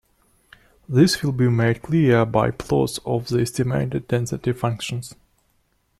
This will be made clearer by plots of the estimated density functions.